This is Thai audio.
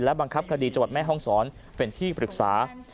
บังคับคดีจังหวัดแม่ห้องศรเป็นที่ปรึกษา